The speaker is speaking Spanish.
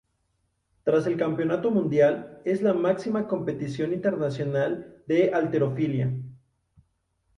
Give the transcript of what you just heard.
Tras el Campeonato Mundial, es la máxima competición internacional de halterofilia.